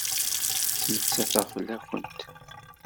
Ttmettateɣ fell-awent.